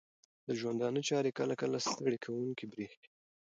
د ژوندانه چارې کله کله ستړې کوونکې بریښې